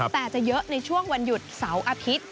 แต่จะเยอะในช่วงวันหยุดเสาร์อาทิตย์